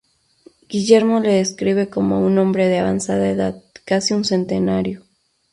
Guillermo le describe como "un hombre de avanzada edad, casi un centenario".